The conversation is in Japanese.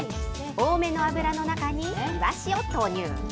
多めの油の中にいわしを投入。